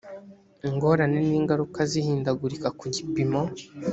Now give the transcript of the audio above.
ingorane n ingaruka z ihindagurika ku gipimo